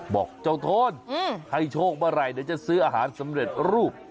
บอกเจ้าโทนให้โชคเมื่อไหร่เดี๋ยวจะซื้ออาหารสำเร็จรูป